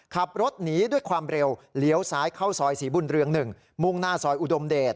ขับรถหนีด้วยความเร็วเลี้ยวซ้ายเข้าซอยศรีบุญเรือง๑มุ่งหน้าซอยอุดมเดช